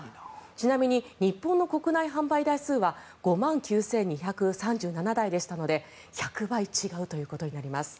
ちなみに、日本の国内販売台数は５万９２３７台でしたので１００倍違うということになります。